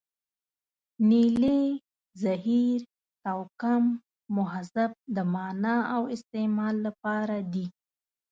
نیلې، زهیر، توکم، مهذب د معنا او استعمال لپاره دي.